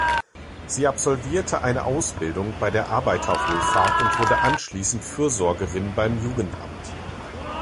Sie absolvierte eine Ausbildung bei der Arbeiterwohlfahrt und wurde anschließend Fürsorgerin beim Jugendamt.